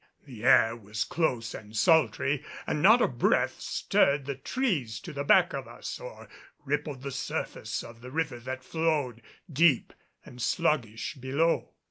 The air was close and sultry and not a breath stirred the trees to the back of us or rippled the surface of the river that flowed, deep and sluggish, below.